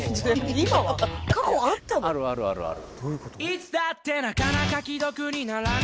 あるあるあるある。